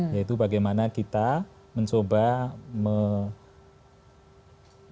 yaitu bagaimana kita mencoba melakukan